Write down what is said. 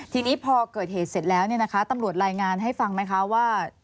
ทีนี้พอเกิดเหตุเสร็จแล้วเนี่ยนะคะตำรวจรายงานให้ฟังไหมคะว่า